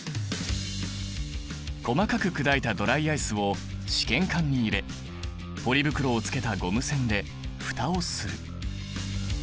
細かく砕いたドライアイスを試験管に入れポリ袋をつけたゴム栓で蓋をする。